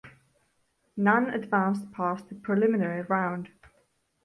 None advanced past the preliminary round.